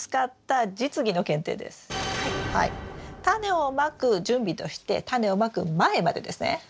タネをまく準備としてタネをまく前までですね。